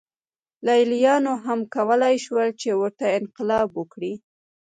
لېلیانو هم کولای شول چې ورته انقلاب وکړي.